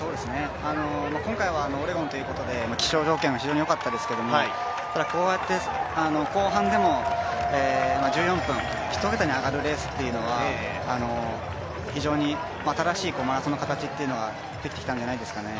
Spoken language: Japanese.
今回はオレゴンということで気象条件が非常に良かったですけどこうやって後半でも１４分１桁に上がるレースというのは非常に新しいマラソンの形というのができてきたんじゃないですかね。